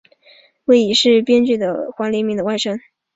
为已逝名编剧黄黎明的外甥。